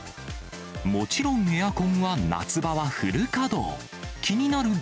もちろん、エアコンは夏場はフル稼働。